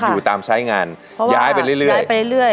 อยู่ตามทรายงานย้ายไปเรื่อย